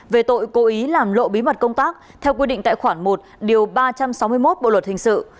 về tội cố ý làm lộ bí mật công tác theo quy định tại khoản một điều ba trăm sáu mươi một bộ luật hình sự